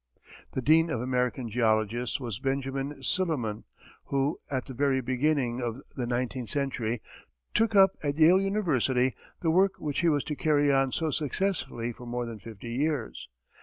The dean of American geologists was Benjamin Silliman, who, at the very beginning of the nineteenth century, took up at Yale University the work which he was to carry on so successfully for more than fifty years.